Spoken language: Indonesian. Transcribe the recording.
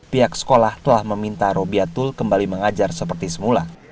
pihak sekolah telah meminta robiatul kembali mengajar seperti semula